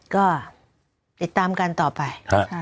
ก็ติดตามกันต่อไป